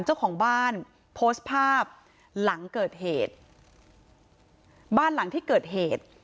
เจ้าของบ้านโพสต์ภาพหลังเกิดเหตุบ้านหลังที่เกิดเหตุ